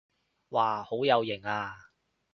哇好有型啊